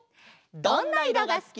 「どんな色がすき」。